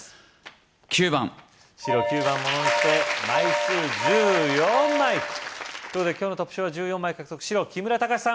９番白９番ものにして枚数１４枚ということで今日のトップ賞は１４枚獲得白・木村貴史さん